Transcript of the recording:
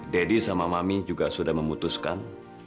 deddy sama mami juga sudah memutuskan